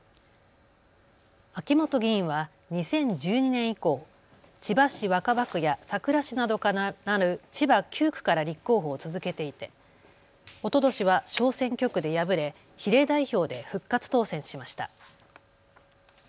秋本議員は２０１２年以降、千葉市若葉区や佐倉市などからなる千葉９区から立候補を続けていておととしは小選挙区で敗れ比例代表で復活当選しました。